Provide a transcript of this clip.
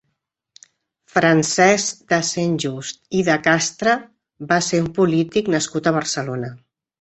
Francesc de Sentjust i de Castre va ser un polític nascut a Barcelona.